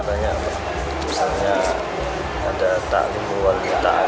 banyak misalnya ada ta'limu wargi ta'limu